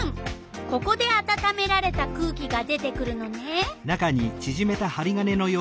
ここであたためられた空気が出てくるのね。